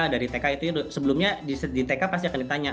dari tk itu sebelumnya di tk pasti akan ditanya